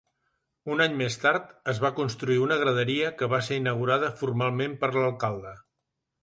Un any més tard, es va construir una graderia que va ser inaugurada formalment per l'alcalde.